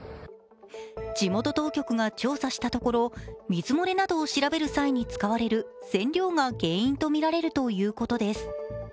地元当局が調査したところ、水漏れなどを調べる際に使われる染料が原因とみられるということです。